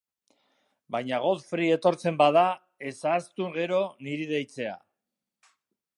Baina Godfrey etortzen bada, ez ahaztu gero niri deitzea.